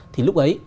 thì lúc ấy